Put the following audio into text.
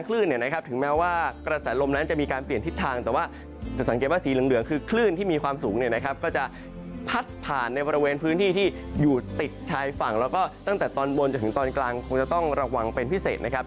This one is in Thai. แล้วก็ตั้งแต่ตอนบนจนถึงตอนกลางคงจะต้องระวังเป็นพิเศษนะครับ